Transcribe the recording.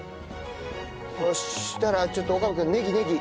そしたらちょっと岡部君ねぎねぎ。